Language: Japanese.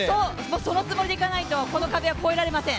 そのつもりでいかないと、この壁は越えられません。